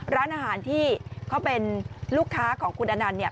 ร้านอาหารที่เขาเป็นลูกค้าของคุณอนันต์เนี่ย